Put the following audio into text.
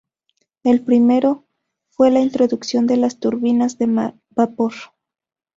El primero, fue la introducción de las turbinas de vapor.